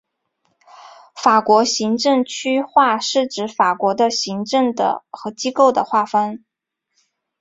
法国行政区划是指法国的行政和机构的划分。